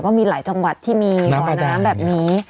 มีหลายจังหวัดที่มีบ่อน้ำแบบนี้